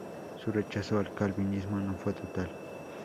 Su rechazo al calvinismo no fue total.